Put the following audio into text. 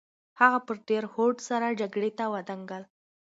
هغه په ډېر هوډ سره جګړې ته ودانګل.